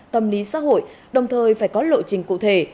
tâm lý xã hội đồng thời phải có lộ trình cụ thể